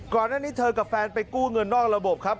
ก่อนหน้านี้เธอกับแฟนไปกู้เงินนอกระบบครับ